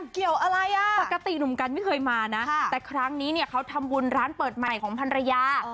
เกี่ยวอะไรอ่ะปกติหนุ่มกันไม่เคยมานะแต่ครั้งนี้เนี่ยเขาทำบุญร้านเปิดใหม่ของพันรยา